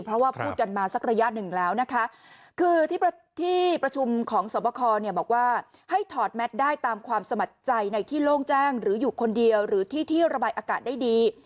เพราะว่าพูดกันมาสักระยะหนึ่งแล้วนะคะคือที่ประชุมของสวบคอเนี่ยบอกว่าให้ถอดแมทได้ตามความสมัครใจในที่โล่งแจ้งหรืออยู่คนเดียวหรือที่ที่ระบายอากาศได้ดี